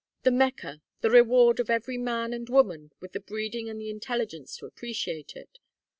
The Mecca, the reward, of every man and woman with the breeding and the intelligence to appreciate it?